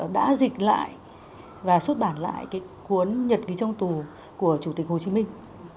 đã dịch lại và xuất bản lại cái cuốn nhật ký trong tù của chủ tịch hồ chí minh